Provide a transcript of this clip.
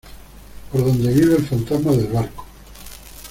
por donde vive el fantasma del barco.